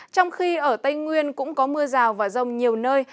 trong khi ở tây nguyên cũng có mưa rào và rông nhiều nơi